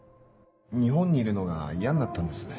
日本にいるのが嫌になったんです